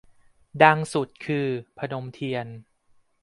ดังสุดคือ พนมเทียม